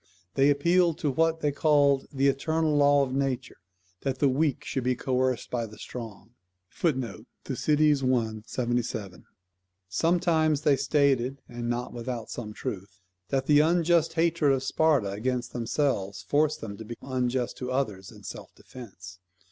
They appealed to what they called "the eternal law of nature, that the weak should be coerced by the strong." [THUC. i. 77.] Sometimes they stated, and not without some truth, that the unjust hatred of Sparta against themselves forced them to be unjust to others in self defence.